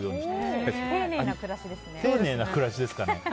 丁寧な暮らしですね。